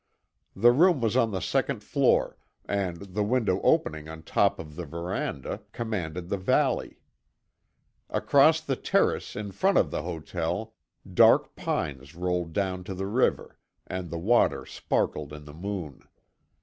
The room was on the second floor, and the window opening on top of the veranda, commanded the valley. Across the terrace in front of the hotel, dark pines rolled down to the river, and the water sparkled in the moon.